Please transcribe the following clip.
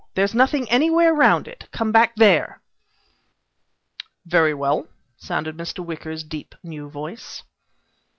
There's nothing anywhere around it. Come back there." "Very well," sounded Mr. Wicker's deep new voice.